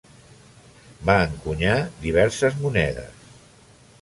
Va encunyar diverses monedes.